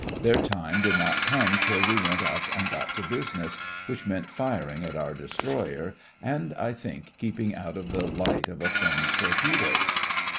Their time did not come till we went up and got to business, which meant firing at our destroyer, and, I think, keeping out of the light of a friend's torpedoes.